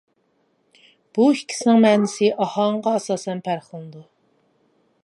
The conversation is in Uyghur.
بۇ ئىككىسىنىڭ مەنىسى ئاھاڭىغا ئاساسەن پەرقلىنىدۇ.